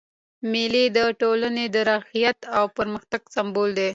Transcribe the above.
مېلې د ټولني د رغښت او پرمختګ سمبول دي.